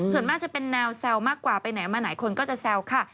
ส่วนมากจะเป็นแนวแซวมากกว่าไปไหนมาไหนคนก็จะแซวค่ะ